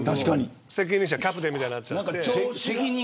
キャプテンみたいになっちゃって。